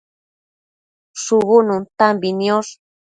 shubu nuntambi niosh